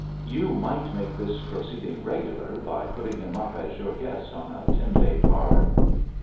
"You might make this proceeding regular by putting him up as your guest on a ten day card."